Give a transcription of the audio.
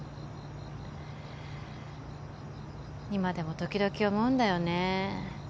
今でも時々思うんだよね